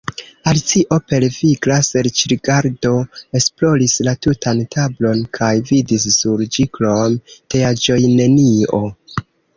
Alicio per vigla serĉrigardo esploris la tutan tablon, kaj vidis sur ĝikrom teaĵojnenion.